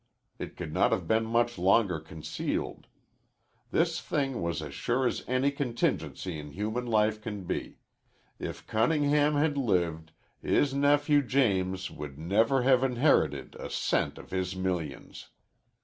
It could not have been much longer concealed. This thing was as sure as any contingency in human life can be: _if Cunningham had lived, his nephew James would never have inherited a cent of his millions.